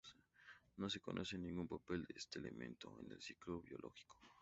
No se conoce ningún papel de este elemento en el ciclo biológico.